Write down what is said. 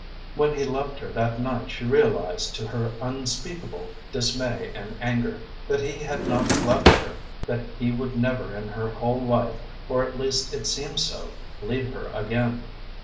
When he left her that night she realized, to her unspeakable dismay and anger, that he had not left her, that he would never in her whole life, or at least it seemed so, leave her again.